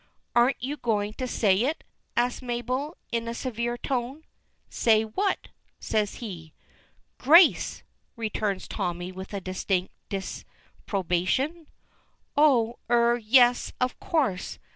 "Aren't you going to say it?" asks Mabel, in a severe tone. "Say what?" says he. "Grace," returns Tommy with distinct disapprobation. "Oh er yes, of course.